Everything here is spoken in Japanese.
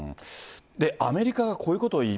アメリカがこういうことを言